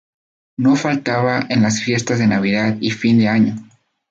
No faltaba en las fiestas de Navidad y Fin de Año.